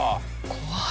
怖い。